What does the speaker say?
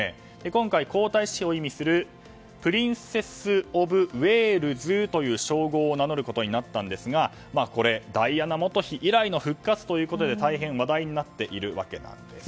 今回、皇太子妃を意味するプリンセス・オブ・ウェールズの称号を名乗ることになったんですがこれはダイアナ元妃以来の復活ということで大変、話題になっているわけです。